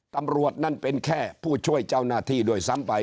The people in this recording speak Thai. ตำรวจนั่นเป็นแค่ผู้ช่วยเจ้าหน้าที่ด้วยซ้ำไป